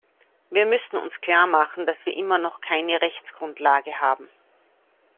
Wir müssen uns klarmachen, dass wir immer noch keine Rechtsgrundlage haben.